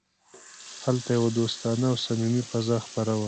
هلته یوه دوستانه او صمیمي فضا خپره وه